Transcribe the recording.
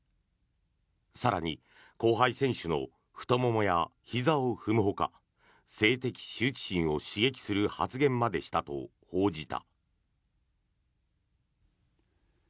更に、後輩選手の太ももやひざを踏むほか性的羞恥心を刺激する発言までしたと報じた。